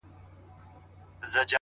ليري له بلا سومه ـچي ستا سومه ـ